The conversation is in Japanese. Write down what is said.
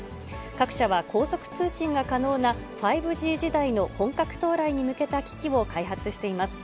各社は高速通信が可能な５Ｇ時代の本格到来に向けた機器を開発しています。